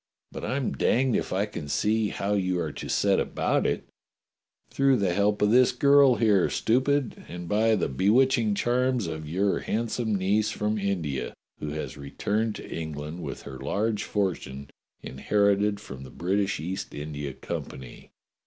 "But I'm danged if I can see how you are to set about it." 258 DOCTOR SYN "Through the help of this girl here, stupid, and by the bewitching charms of your handsome niece from India, who has returned to England with her large fortune inherited from the British East India Com pany."